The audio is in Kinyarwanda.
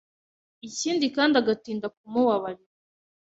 ikindi kandi agatinda kumubabarira.